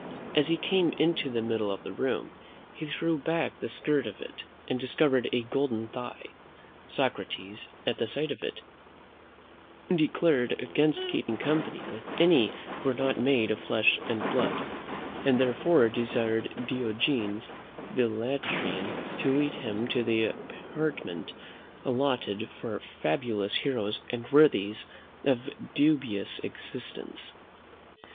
As he came into the middle of the room, he threw back the skirt of it, and discovered a golden thigh. Socrates, at the sight of it, declared against keeping company with any who were not made of flesh and blood, and, therefore, desired Diogenes the Laertian to lead him to the apartment allotted for fabulous heroes and worthies of dubious existence.